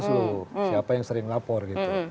seluruh siapa yang sering lapor